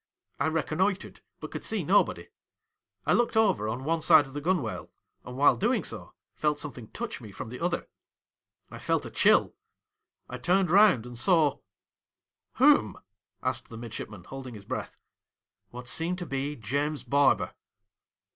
I reconnoitred, but coiild see nobody. I looked over on one side of the gunwale, and, while doing so, felt something touch me from the other ; I felt a chill ; I turned round and saw '' Whom ?' asked the midshipman, holding his breath. ' What seemed to be James Barber.'